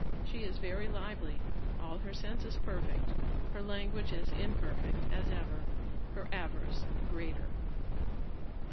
She is very lively, all her senses perfect, her language as imperfect as ever, her avarice greater."